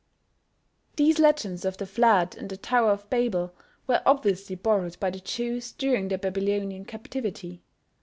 These legends of the Flood and the Tower of Babel were obviously borrowed by the Jews during their Babylonian captivity.